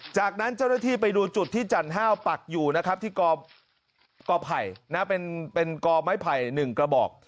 จากนั้นเจ้าหน้าที่ไปดูจุดที่จันห้าวปักอยู่นะครับที่กอไผ่เป็นกอไม้ไผ่๑กระบอก